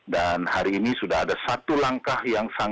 dan hari ini sudah ada satu langkah yang berhasil